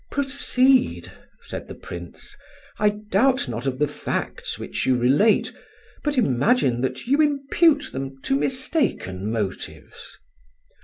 "Proceed," said the Prince; "I doubt not of the facts which you relate, but imagine that you impute them to mistaken motives."